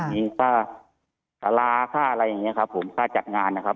มีศราค่าอะไรอย่างเงี้ยครับผมศราจัดงานนะครับ